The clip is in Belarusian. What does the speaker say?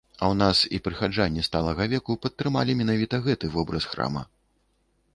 А ў нас і прыхаджане сталага веку падтрымалі менавіта гэты вобраз храма.